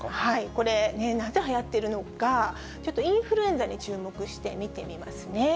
これ、なぜはやってるのか、ちょっとインフルエンザに注目して見てみますね。